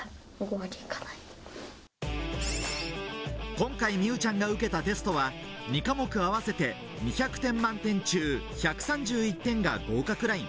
今回、美羽ちゃんが受けたテストは２科目合わせて２００点満点中１３１点が合格ライン。